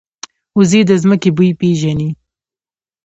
وزې د ځمکې بوی پېژني